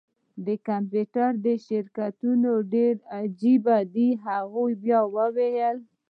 د کمپیوټر شرکتونه ډیر عجیب دي هغې بیا وویل